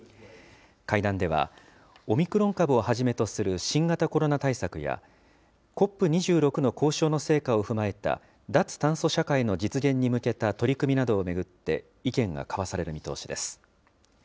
会談では、オミクロン株をはじめとする新型コロナ対策や、ＣＯＰ２６の交渉の成果を踏まえた脱炭素社会の実現に向けた取り組みなどを巡って、意見が交わされる見通しです。